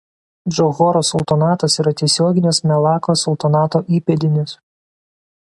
Džohoro sultonatas yra tiesioginis Melakos sultonato įpėdinis.